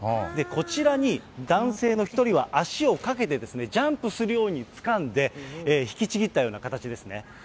こちらに、男性の１人は足をかけてですね、ジャンプするようにつかんで、引きちぎったような形ですね。